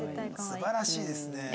素晴らしいですね。